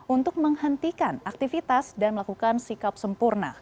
untuk menghentikan aktivitas dan melakukan sikap sempurna